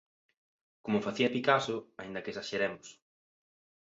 Como facía Picasso, aínda que esaxeremos.